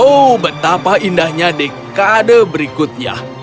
oh betapa indahnya dekade berikutnya